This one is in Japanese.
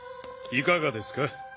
いかがですか？